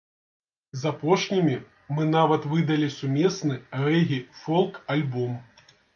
З апошнімі мы нават выдалі сумесны рэгі-фолк-альбом.